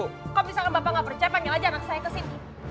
kalau misalkan bapak gak percaya panggil aja anak saya ke sini